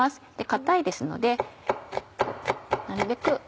硬いですのでなるべく